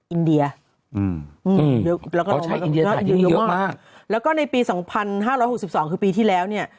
อินเดียเยอะมากแล้วก็ในปี๒๕๖๒คือปีที่แล้วเนี่ย